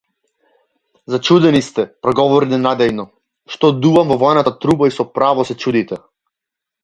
Зачудени сте, проговори ненадејно, што дувам во воената труба и со право се чудите!